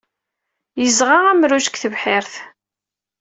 Yeɣza amruj deg tebḥirt.